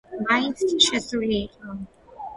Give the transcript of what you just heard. მაინც შესულიყო.